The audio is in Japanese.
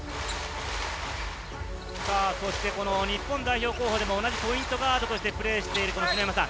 日本代表候補でも同じポイントガードとしてプレーしている篠山さん。